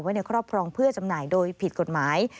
ในครอบครองเพื่อจำหน่ายโดยผิดกฎหมาย